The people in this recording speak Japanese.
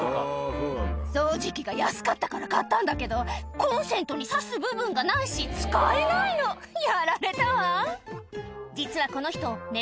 「掃除機が安かったから買ったんだけどコンセントに挿す部分がないし使えないのやられたわ！」